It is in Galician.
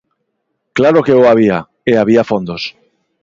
Claro que o había, e había fondos.